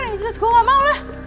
insanus gue gamau lah